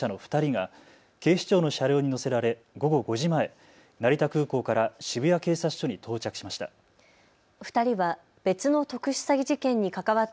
容疑者の２人が警視庁の車両に乗せられ午後５時前、成田空港から渋谷警察署に到着しました。